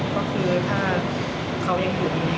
ก็คือถ้าเขายังอยู่ตรงนี้